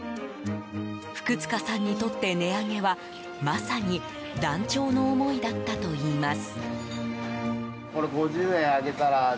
福塚さんにとって値上げはまさに断腸の思いだったといいます。